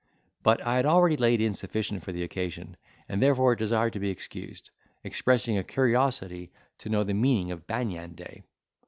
But I had already laid in sufficient for the occasion, and therefore desired to be excused: expressing a curiosity to know the meaning of banyan day.